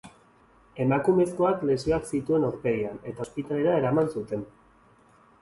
Emakumezkoak lesioak zituen aurpegian, eta ospitalera eraman zuten.